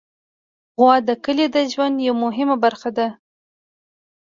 غوا د کلي د ژوند یوه مهمه برخه ده.